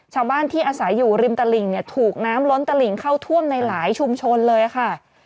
ชาวบ้านที่อาศัยอยู่ริมตลิ่งเนี่ยถูกน้ำล้นตะหลิงเข้าท่วมในหลายชุมชนเลยค่ะ